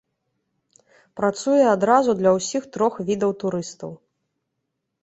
Працуе адразу для ўсіх трох відаў турыстаў.